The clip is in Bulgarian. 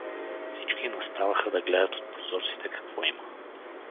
Всички наставаха да гледат от прозорците какво има.